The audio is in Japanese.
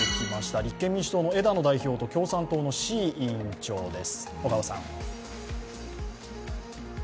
立憲民主党の枝野代表と共産党の志位委員長です。